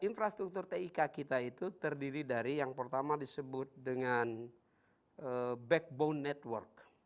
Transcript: infrastruktur tik kita itu terdiri dari yang pertama disebut dengan backbone network